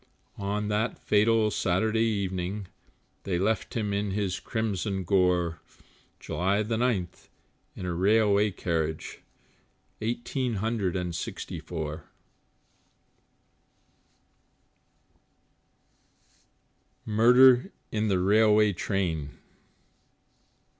On that fatal Saturday evening, They left him in his crimson gore, July the 9th, in a railway carriage, Eighteen hundred and sixty four. Murder in the Railway Train.